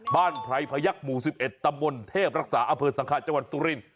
บ้านไพรพยักษ์หมู่๑๑ตมเทพรักษาอเผิดสังฆะจัวร์สุรินทร์